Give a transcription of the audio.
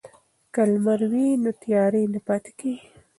که لمر وي نو تیارې نه پاتیږي.